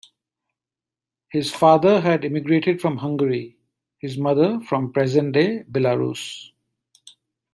His father had immigrated from Hungary; his mother from present-day Belarus.